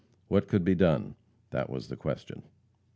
What could be done? That was the question.